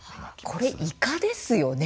これ、イカですよね？